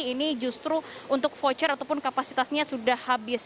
ini justru untuk voucher ataupun kapasitasnya sudah habis